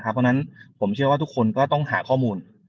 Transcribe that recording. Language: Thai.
เพราะฉะนั้นผมเชื่อว่าทุกคนก็ต้องหาข้อมูล